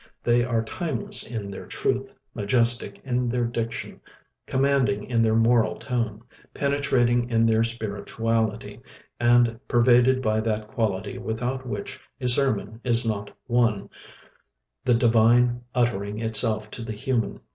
They are timeless in their truth, majestic in their diction, commanding in their moral tone, penetrating in their spirituality, and pervaded by that quality without which a sermon is not one the divine uttering itself to the human.